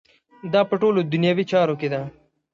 دا په ټولو دنیوي چارو کې ده.